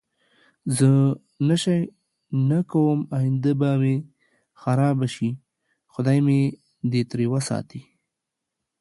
زه نشی نه کوم اینده به می خرابه شی خدای می دی تری وساتی